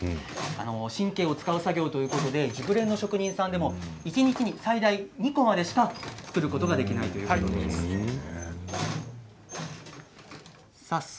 神経を遣う作業ということで熟練の職人さんでも一日に最大２個までしか作ることができないそうです。